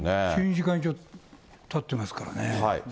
１２時間以上たってますからね。